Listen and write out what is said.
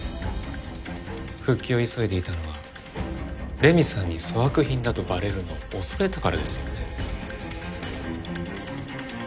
復帰を急いでいたのは麗美さんに粗悪品だとバレるのを恐れたからですよね？